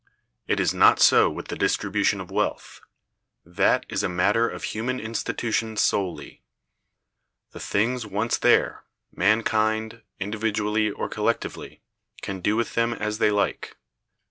It is not so with the Distribution of Wealth. That is a matter of human institution solely. The things once there, mankind, individually or collectively, can do with them as they like.